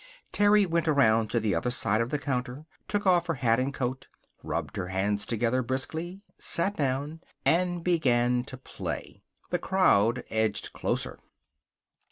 Terry went around to the other side of the counter, took off her hat and coat, rubbed her hands together briskly, sat down, and began to play. The crowd edged closer.